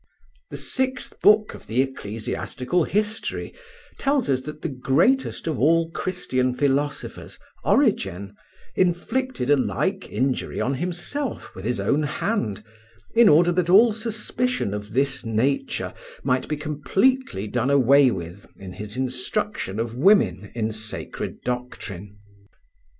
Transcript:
The sixth book of the Ecclesiastical History tells us that the greatest of all Christian philosophers, Origen, inflicted a like injury on himself with his own hand, in order that all suspicion of this nature might be completely done away with in his instruction of women in sacred doctrine.